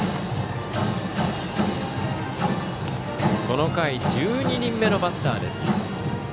この回１２人目のバッターです。